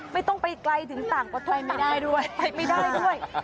ไม่ต้องไปไกล้ถึงต่างก็ต้องไปไปไม่ได้ด้วย